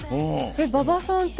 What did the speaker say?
馬場さんって。